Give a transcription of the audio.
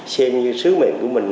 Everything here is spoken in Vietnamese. xem như sứ mệnh của mình